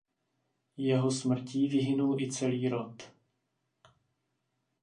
Jeho smrtí vyhynul i celý rod.